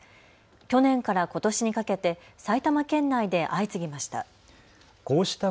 去年からことしにかけて埼玉県内で相次ぎました。